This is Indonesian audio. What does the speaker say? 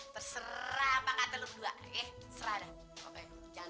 terserah apa kata lo berdua ya